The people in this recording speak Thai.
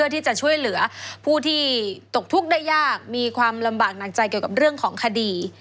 ที่จะช่วยเหลือผู้ที่ตกทุกข์ได้ยากมีความลำบากหนักใจเกี่ยวกับเรื่องของคดี